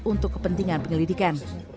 untuk kepentingan penyelidikan